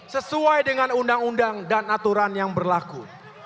sesuai dengan undang undang dan aturan yang berlaku